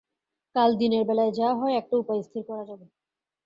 কাল দিনের বেলায় যা হয় একটা উপায় স্থির করা যাবে।